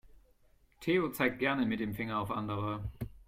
Theo zeigt gerne mit dem Finger auf andere.